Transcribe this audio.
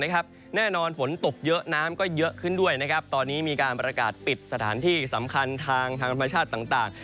แน่นอนฝนตกเยอะน้ำก็เยอะขึ้นด้วยตอนนี้มีการประกาศปิดสถานที่สำคัญทางธรรมชาติต่าง